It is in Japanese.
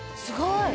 すごい！